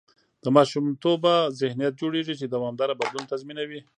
د ماشومتوبه ذهنیت جوړېږي، چې دوامداره بدلون تضمینوي.